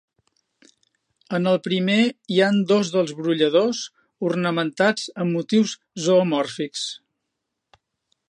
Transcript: En el primer hi han dos dels brolladors, ornamentats amb motius zoomòrfics.